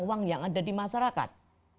uang yang ada dimasyarakat